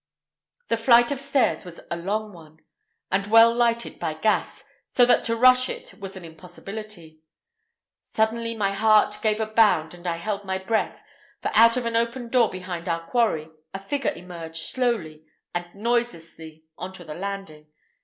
The flight of stairs was a long one, and well lighted by gas, so that to rush it was an impossibility. Suddenly my heart gave a bound and I held my breath, for out of an open door behind our quarry, a figure emerged slowly and noiselessly on to the landing.